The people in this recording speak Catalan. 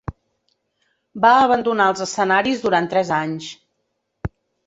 Va abandonar els escenaris durant tres anys.